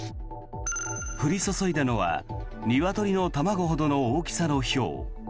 降り注いだのはニワトリの卵ほどの大きさのひょう。